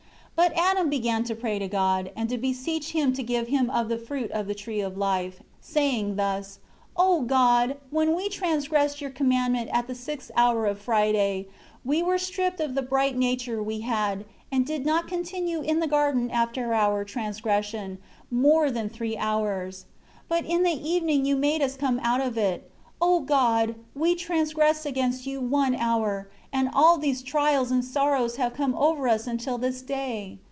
4 But Adam began to pray to God and to beseech Him to give him of the fruit of the Tree of Life, saying thus: "O God, when we transgressed Your commandment at the sixth hour of Friday, we were stripped of the bright nature we had, and did not continue in the garden after our transgression, more than three hours. 5 But in the evening You made us come out of it. O God, we transgressed against You one hour, and all these trials and sorrows have come over us until this day.